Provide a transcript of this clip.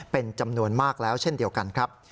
เป็นจำนวนมากแล้วเช่นเดียวกันครับ